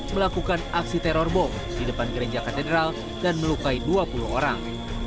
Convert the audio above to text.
melakukan aksi teror bom di depan kerenja katedral dan melukai dua puluh orang